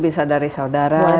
bisa dari saudara dari keluarga